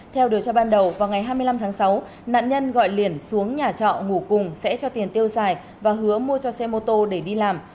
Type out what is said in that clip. theo điều tra ban đầu vào ngày hai mươi năm tháng sáu nạn nhân gọi liển xuống nhà trọ ngủ cùng sẽ cho tiền tiêu xài và hứa mua cho xe mô tô để đi làm